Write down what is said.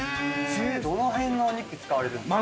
どの辺のお肉使われるんですか？